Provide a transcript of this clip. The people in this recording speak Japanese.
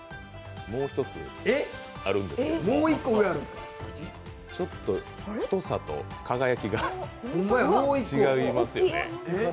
もう一つあるんですけどちょっと太さと輝きが違いますよね。